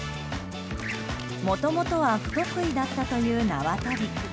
もともとは不得意だったという縄跳び。